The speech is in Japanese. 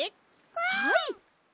はい！